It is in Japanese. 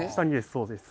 そうです。